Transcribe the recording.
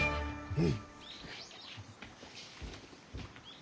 うん！